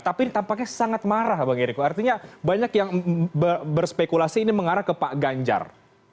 tapi ini tampaknya sangat marah bang eriko artinya banyak yang berspekulasi ini mengarah ke pak ganjar